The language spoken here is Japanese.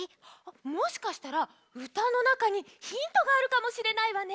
もしかしたらうたのなかにヒントがあるかもしれないわね。